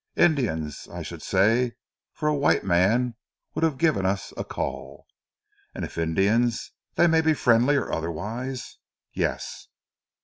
"Indians, I should say, for a white man would have given us a call." "And if Indians, they may be friendly or otherwise?" "Yes."